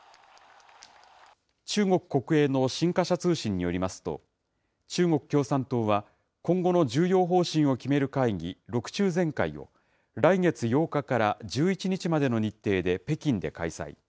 中国国営の新華社通信によりますと、中国共産党は今後の重要方針を決める会議、６中全会を、来月８日から１１日までの日程で北京で開催。